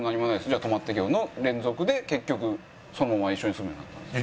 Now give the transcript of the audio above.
「じゃあ泊まってけよ」の連続で結局そのまま一緒に住むようになったんです。